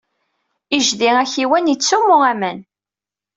Ijdi akiwan yettsummu aman.